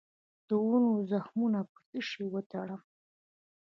د ونو زخمونه په څه شي وتړم؟